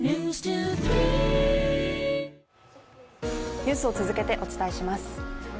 ニュースを続けてお伝えします。